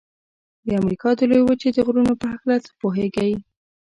د امریکا د لویې وچې د غرونو په هکله څه پوهیږئ؟